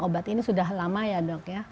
obat ini sudah lama ya dok ya